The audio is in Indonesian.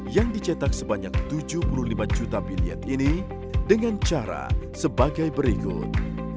yang dicetak sebanyak tujuh puluh lima juta biliat ini dengan cara sebagai berikut